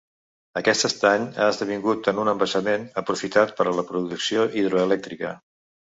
Aquest estany ha esdevingut en un embassament aprofitat per a la producció hidroelèctrica.